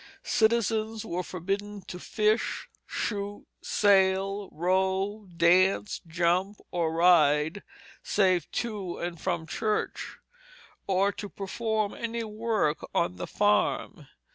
Citizens were forbidden to fish, shoot, sail, row, dance, jump, or ride, save to and from church, or to perform any work on the farm.